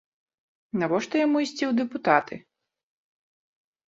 Навошта яму ісці ў дэпутаты?